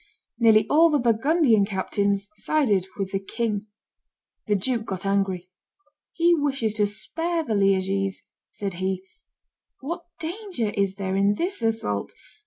Nearly all the Burgundian captains sided with the king. The duke got angry. "He wishes to spare the Liegese," said he; "what danger is there in this assault?